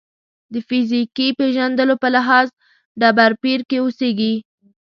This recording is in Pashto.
د فیزیکي پېژندلو په لحاظ ډبرپېر کې اوسېږي.